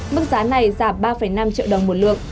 mức giá này giảm ba năm triệu đồng một lượng